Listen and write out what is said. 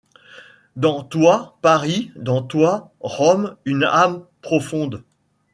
Dans toi, Paris, dans toi ; Rome, une âme profonde.